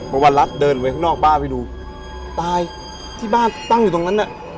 เพราะว่ารัฐเดินไปข้างนอกบ้านไปดูตายที่บ้านตั้งอยู่ตรงนั้นน่ะ